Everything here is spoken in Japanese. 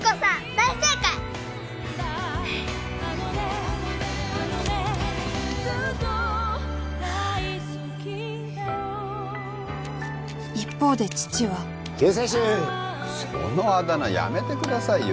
大正解一方で父は救世主そのあだ名やめてくださいよ